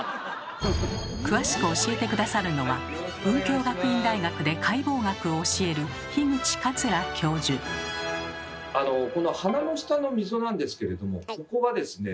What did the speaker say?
詳しく教えて下さるのは文京学院大学で解剖学を教えるこの鼻の下の溝なんですけれどもここはですね